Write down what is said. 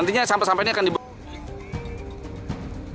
nantinya sampah sampah ini akan dibawa